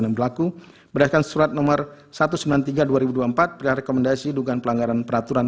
yang berlaku berdasarkan surat nomor satu ratus sembilan puluh tiga dua ribu dua puluh empat rekomendasi dugaan pelanggaran peraturan